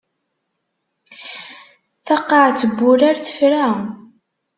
Taqaɛet n wurar tefra.